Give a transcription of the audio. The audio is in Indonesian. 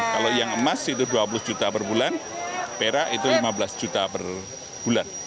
kalau yang emas itu dua puluh juta per bulan perak itu lima belas juta per bulan